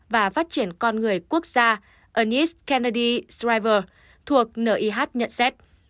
và phát triển con người quốc gia ernest kennedy schreiber thuộc nih nhận xét